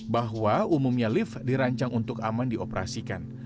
bahwa umumnya lift dirancang untuk aman dioperasikan